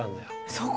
そこ？